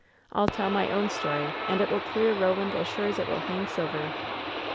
I'll tell my own story, and it will clear Eoland as sure as it will hang Silver."